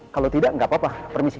kalau tidak nggak apa apa permisi